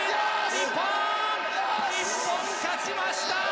日本、勝ちました！